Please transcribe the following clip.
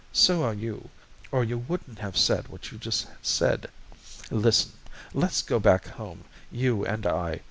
So are you, or you wouldn't have said what you just said. Listen. Let's go back home, you and I.